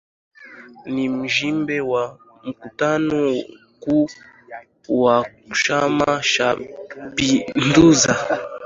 Ndugu Samia ni Mjumbe wa Mkutano Mkuu wa Chama Cha Mapinduzi